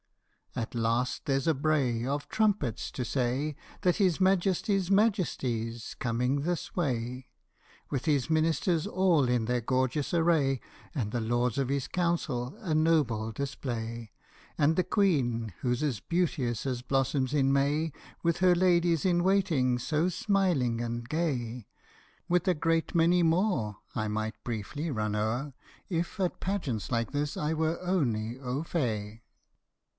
At last there 's a bray Of trumpets, to say That His Majesty's Majesty 's coming this way, With his Ministers all in their gorgeous array, And the Lords of his Council, a noble display, And the Queen, who's as beauteous as blossoms in May, With her Ladies in Waiting so smiling and gay, With a great many more I might briefly run o'er If at pageants like this I were only mi fait.